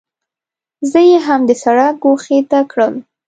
زه یې هم د سړک ګوښې ته کړم.